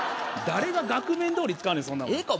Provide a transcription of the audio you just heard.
誰が額面どおり使うねんええか？